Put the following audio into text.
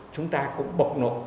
chúng ta cũng bộc nộ